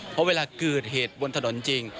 เพราะเวลาเกิดเหตุบนถนนจริง